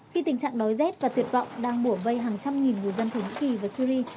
khi tình trạng đói rét và tuyệt vọng đang bổ vây hàng trăm nghìn người dân thổ nhĩ kỳ và syri